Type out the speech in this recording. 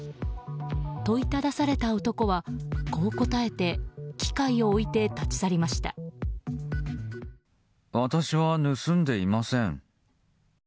問いただされた男は、こう答えて私は盗んでいません。